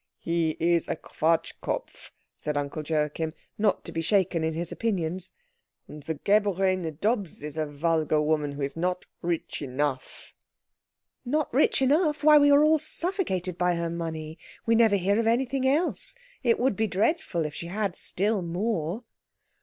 "He is a Quatschkopf," said Uncle Joachim, not to be shaken in his opinions, "and the geborene Dobbs is a vulgar woman who is not rich enough." "Not rich enough? Why, we are all suffocated by her money. We never hear of anything else. It would be dreadful if she had still more."